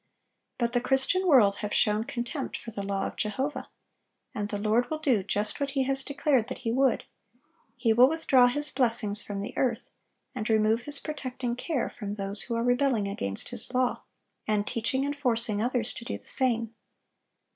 But the Christian world have shown contempt for the law of Jehovah; and the Lord will do just what He has declared that He would,—He will withdraw His blessings from the earth, and remove His protecting care from those who are rebelling against His law, and teaching and forcing others to do the same.